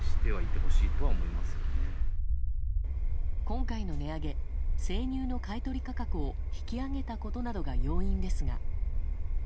今回の値上げ生乳の買い取り価格を引き上げたことなどが要因ですが。